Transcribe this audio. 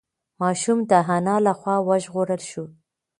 ماشوم د انا له خوا وژغورل شو.